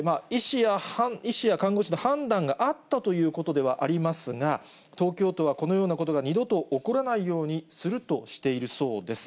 医師や看護師の判断があったということではありますが、東京都はこのようなことが二度と起こらないようにするとしているそうです。